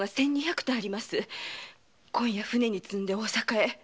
今夜船に積んで大坂へ。